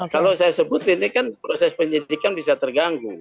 kalau saya sebut ini kan proses penyidikan bisa terganggu